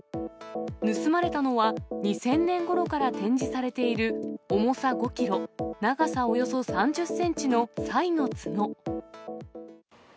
盗まれたのは、２０００年ごろから展示されている、重さ５キロ、長さおよそ３０センチのサイの角。